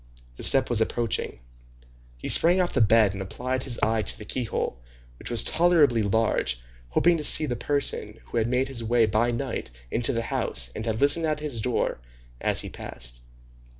The step was approaching. He sprang off the bed and applied his eye to the keyhole, which was tolerably large, hoping to see the person who had made his way by night into the house and had listened at his door, as he passed.